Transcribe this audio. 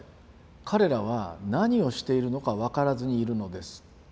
彼らは何をしているのかわからずにいるのです」。